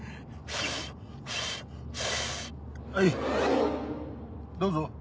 はいどうぞ。